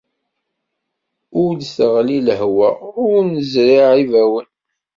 Ur d-teɣli lehwa, ur nezriɛ ibawen.